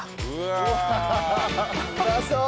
うまそう！